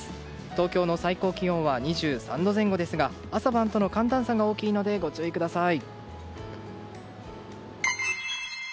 東京の最高気温は２３度前後ですが朝晩との寒暖差が大きいのでご注意ください。